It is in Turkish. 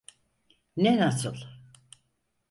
Ne nasıl?